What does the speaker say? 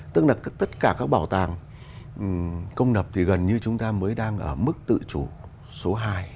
tức là tất cả các bảo tàng công lập thì gần như chúng ta mới đang ở mức tự chủ số hai